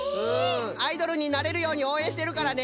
アイドルになれるようにおうえんしてるからね！